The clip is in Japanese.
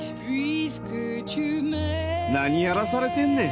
何やらされてんねん、